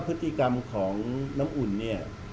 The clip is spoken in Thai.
พฤติกรรมของน้ำอุ่นเนี่ย